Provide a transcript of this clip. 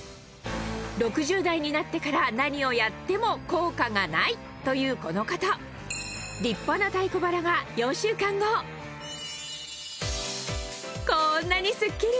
「６０代になってから何をやっても効果がない」というこの方立派な太鼓腹が４週間後こんなにスッキリ！